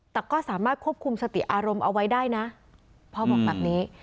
แต่ก็สามารถควบคุมสติอารมณ์เอาไว้ได้นะพ่อบอกแบบนี้